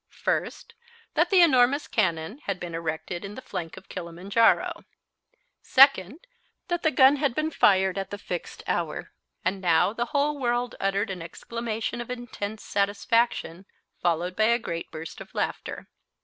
First That the enormous cannon had been erected in the flank of Kilimanjaro. Second That the gun had been fired at the fixed hour. And now, the whole world uttered an exclamation of intense satisfaction, followed by a great burst of laughter.